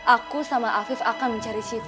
aku sama afif akan mencari chief